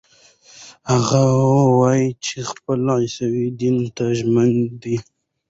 هغه وايي چې خپل عیسوي دین ته ژمن دی.